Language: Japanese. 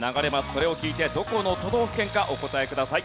それを聞いてどこの都道府県かお答えください。